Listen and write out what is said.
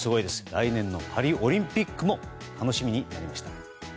来年のパリオリンピックも楽しみになりました。